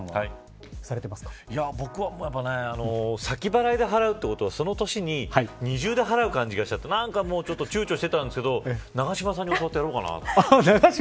僕は先払いで払うということはその年に二重で払う感じがしてちょっとちゅうちょしたんですけど永島さんに教えてもらってやろうかなと。